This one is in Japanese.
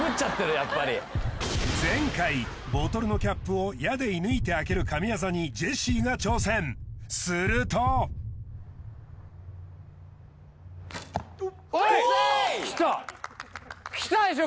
やっぱり前回ボトルのキャップを矢で射抜いて開ける神業にジェシーが挑戦するときたでしょ？